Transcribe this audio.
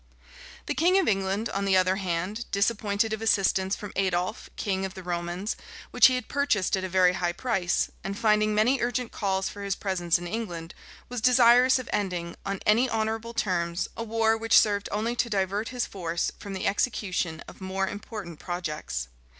* Helming, vol i. p 146. The king of England, on the other hand, disappointed of assistance from Adolph, king of the Romans, which he had purchased at a very high price, and finding many urgent calls for his presence in England, was desirous of ending, on any honorable terms, a war which served only to divert his force from the execution of more important projects.